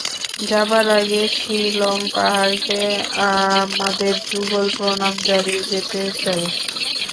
যাবার আগে শিলঙ পাহাড়কে আমাদের যুগল প্রণাম জানিয়ে যেতে চাই।